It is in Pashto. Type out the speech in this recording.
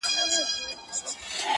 • واك ضرور دئ د نااهلو حاكمانو ,